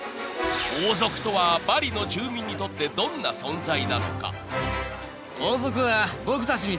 ［王族とはバリの住民にとってどんな存在なのか？］